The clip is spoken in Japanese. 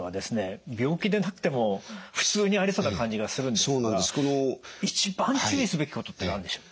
病気でなくても普通にありそうな感じがするんですが一番注意すべきことって何でしょう？